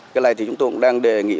cái này thì chúng tôi cũng đang đề nghị